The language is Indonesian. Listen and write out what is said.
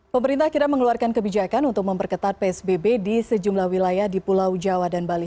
pemerintah kira mengeluarkan kebijakan untuk memperketat psbb di sejumlah wilayah di pulau jawa dan bali